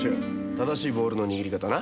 正しいボールの握り方な？